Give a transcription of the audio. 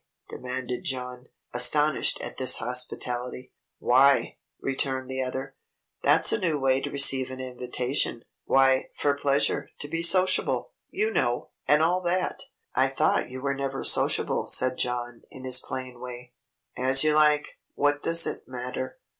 demanded John, astonished at this hospitality. "Why?" returned the other. "That's a new way to receive an invitation. Why for pleasure to be sociable, you know, and all that." "I thought you were never sociable," said John, in his plain way. "As you like; what does it matter?